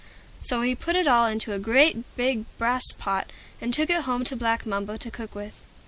So he put it all into the great big brass pot, and took it home to Black Mumbo to cook with.